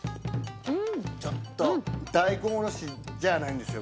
ちょっと大根おろしじゃないんですよ